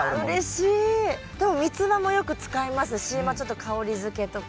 でもミツバもよく使いますしまあちょっと香りづけとか。